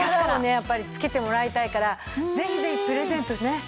やっぱり付けてもらいたいからぜひぜひプレゼントねっ。